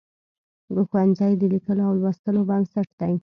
ښوونځی د لیکلو او لوستلو بنسټ دی.